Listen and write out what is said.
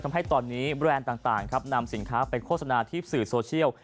ทำให้ตอนนี้แบรนด์ต่างครับนำสินค้าไปโฆษณาที่สื่อโซเชียล